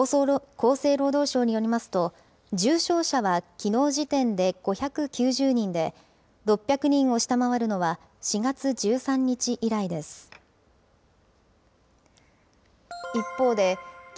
厚生労働省によりますと、重症者はきのう時点で５９０人で、６００人を下回るのは４月１３日以来です。